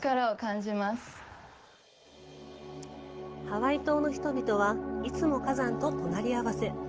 ハワイ島の人々はいつも火山と隣合わせ。